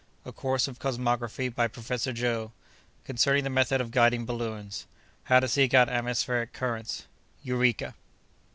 —A Course of Cosmography by Professor Joe.—Concerning the Method of guiding Balloons.—How to seek out Atmospheric Currents.—Eureka.